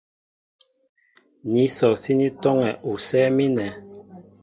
Ní sɔ síní tɔ́ŋɛ usɛ́ɛ́ mínɛ.